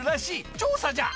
調査じゃ！